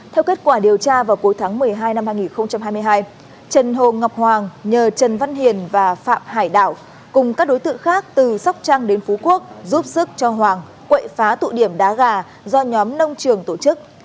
theo kết quả điều tra vào cuối tháng một mươi hai năm hai nghìn hai mươi hai trần hồ ngọc hoàng nhờ trần văn hiền và phạm hải đảo cùng các đối tượng khác từ sóc trăng đến phú quốc giúp sức cho hoàng quậy phá tụ điểm đá gà do nhóm nông trường tổ chức